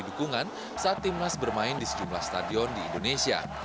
dukungan saat timnas bermain di sejumlah stadion di indonesia